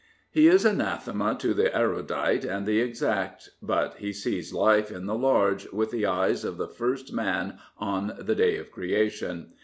He is angt^ema to the erudite and the exact; but he sees life in the large, with the eyes of the first man on the day of creation.